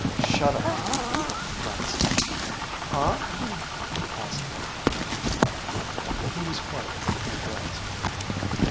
"Shut up," Jon said. "Huh?" asked Let. He was quiet for a few breaths.